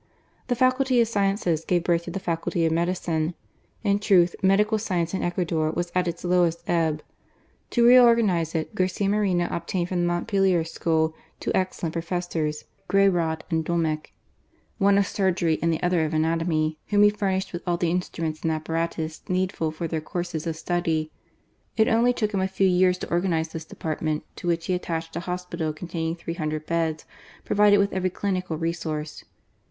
The Faculty of Sciences gave birth to the Faculty of Medicine. In truth, medical science in Ecuador was at its lowest ebb. To reorganize it, Garcia Moreno obtained from the Montpellier School two B34 GARCIA MORENO. excellent Professors (MM. Guayraud and Domec); ' one of surgery and the other of anatomy, whom he i furnished with all the instruments and apparatus needful for their courses of study. It only took him ' a few years to organize this department, to which he attached a faospital contaiiiiog Uicee .huodEed beds, provided with iirery cUnjcal resource.